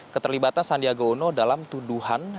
keterlibatan sandiaga uno dalam tuduhan